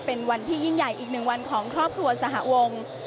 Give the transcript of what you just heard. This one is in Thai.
เป็นวันที่ยิ่งใหญ่อีก๑วันของครอบครัวสหวง